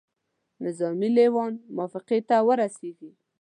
نظامي لېوان موافقې ته ورسیږي.